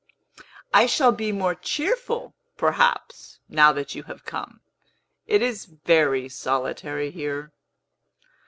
"I shall be more cheerful, perhaps, now that you have come. It is very solitary here."